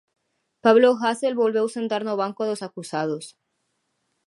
Pablo Hasel volveu sentar no banco dos acusados.